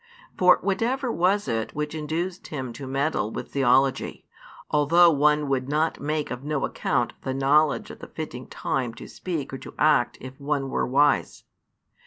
For whatever was it which induced him to meddle with theology, although one would not make of no account the knowledge of the fitting time to speak or act if one were wise?